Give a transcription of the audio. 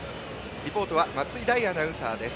リポートは松井大アナウンサーです。